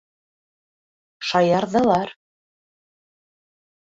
Шаярҙылар.